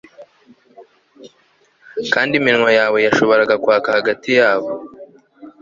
Kandi iminwa yawe yashoboraga kwaka hagati yabo